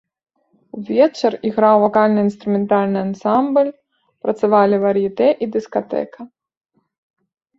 Увечар іграў вакальна-інструментальны ансамбль, працавалі вар'етэ і дыскатэка.